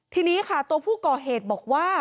ทีนี้ค่ะตัวผู้ก่อเหตุบอกว่า